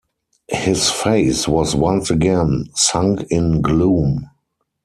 His face was once again sunk in gloom.